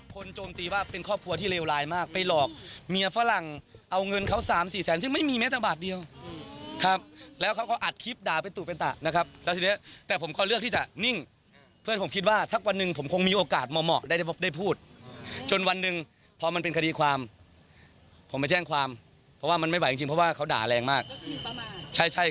โจมตีว่าเป็นครอบครัวที่เลวร้ายมากไปหลอกเมียฝรั่งเอาเงินเขาสามสี่แสนซึ่งไม่มีแม้แต่บาทเดียวครับแล้วเขาก็อัดคลิปด่าเป็นตุเป็นตะนะครับแล้วทีนี้แต่ผมก็เลือกที่จะนิ่งเพื่อนผมคิดว่าสักวันหนึ่งผมคงมีโอกาสเหมาะได้พูดจนวันหนึ่งพอมันเป็นคดีความผมไปแจ้งความเพราะว่ามันไม่ไหวจริงเพราะว่าเขาด่าแรงมากใช่ใช่